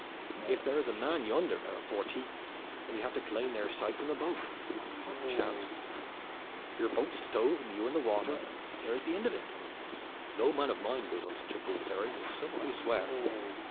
If there is a man yonder, there are fourteen, and you have to climb their side from the boat. What chance would you have? Your boat stove and you in the water there is the end of it. No man of mine goes on such a fool's errand, and so I swear!"